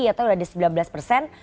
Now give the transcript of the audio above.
yaitu ada sembilan belas persen